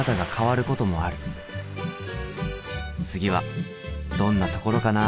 次はどんなところかな。